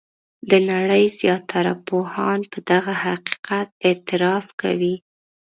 د نړۍ زیاتره پوهان په دغه حقیقت اعتراف کوي.